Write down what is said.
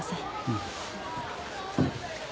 うん。